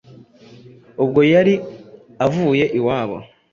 ubwo yari avuye iwabo